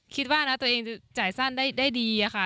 คิดว่านะตัวเองจะจ่ายสั้นได้ดีค่ะ